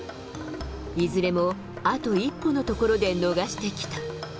いずれもあと一歩のところで逃してきた。